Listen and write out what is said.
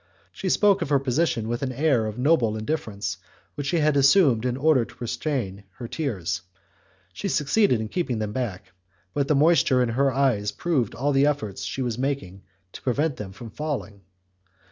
She spoke of her position with an air of noble indifference which she assumed in order to restrain her tears; she succeeded in keeping them back, but the moisture in her eyes proved all the efforts she was making to prevent them from falling.